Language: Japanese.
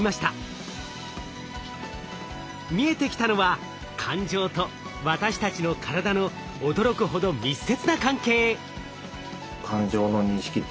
見えてきたのは感情と私たちの体の驚くほど密接な関係。